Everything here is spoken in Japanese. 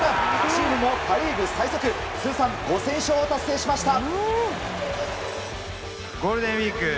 チームもパ・リーグ最速通算５０００勝を達成しました。